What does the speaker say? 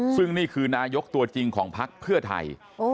ซึ่งนี่คือนายกตัวจริงของพักเพื่อไทย